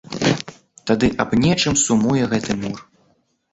Тады аб нечым сумуе гэты мур.